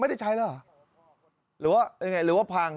ไม่ได้ใช้แล้วหรือว่าหรืออีกไงหรือว่าพัง